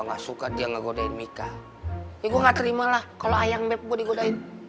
enggak suka dia ngegodain mika ya gua gak terima lah kalau ayang bep gua digodain